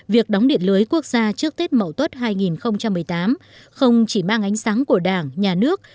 việc đóng điện lưới quốc gia trước tết mậu tuất hai nghìn một mươi tám không chỉ mang ánh sáng của đảng nhà nước